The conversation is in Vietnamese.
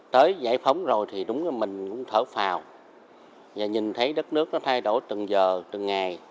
tới giải phóng rồi thì đúng là mình cũng thở phào và nhìn thấy đất nước nó thay đổi từng giờ từng ngày